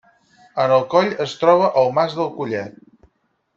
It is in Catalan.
En el coll es troba el Mas del Collet.